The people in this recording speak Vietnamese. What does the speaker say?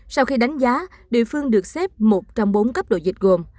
sau khi đánh giá địa phương được xếp một trong bốn cấp độ dịch gồm